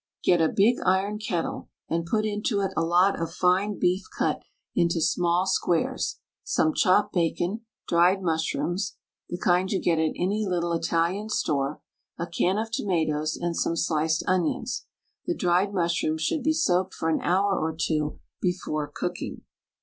Get a big iron kettle and put into it a lot of fine beef cut into small squares, some chopped bacon, dried mush rooms (the kind you get at any little Italian store) a can of tomatoes and some sliced onions. The dried mushrooms should be soaked for an hour or two before cooking.